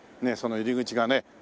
その入り口がね